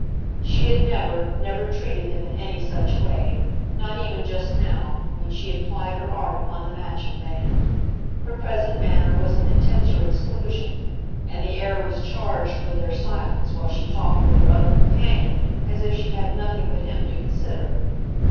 She had never, never treated them in any such way not even just now, when she had plied her art upon the Matcham band; her present manner was an intenser exclusion, and the air was charged with their silence while she talked with her other companion as if she had nothing but him to consider.